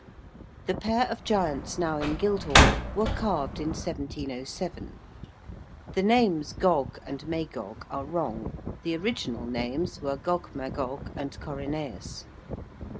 The pair of giants now in Guildhall were carved in 1707. The names Gog and Magog are wrong. The original names were Gogmagog and Corineus.